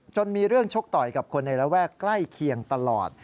มีเรื่องชกต่อยกับคนในระแวกใกล้เคียงตลอด